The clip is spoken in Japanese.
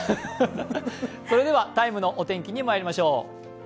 それでは「ＴＩＭＥ，」のお天気にまいりましょう。